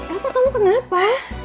asal kamu kenapa